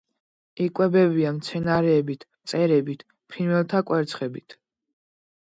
იკვებებიან მცენარეებით, მწერებით, ფრინველთა კვერცხებით.